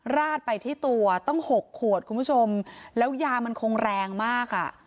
ราดไปที่ตัวตั้ง๖ขวดคุณผู้ชมแล้วยามันคงแรงมากอ่ะ